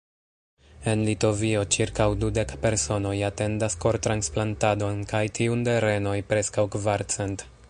En Litovio ĉirkaŭ dudek personoj atendas kortransplantadon kaj tiun de renoj preskaŭ kvarcent.